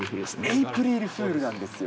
エイプリルフールなんですよ。